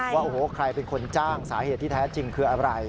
ว่าโอ้โหใครเป็นคนจ้างสาเหตุที่แท้จริงคืออะไร